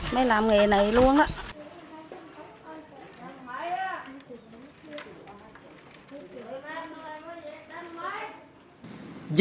mới làm nghề này luôn đó